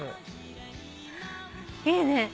いいね。